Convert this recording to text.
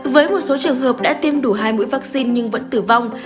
với một số trường hợp đã tiêm đủ hai mũi vaccine nhưng vẫn tử vong